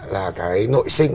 là cái nội sinh